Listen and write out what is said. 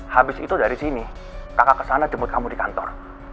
habis itu dari sini kakak kesana jemput kamu di kantor